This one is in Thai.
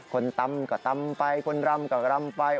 ตำก็ตำไปคนรำก็รำไป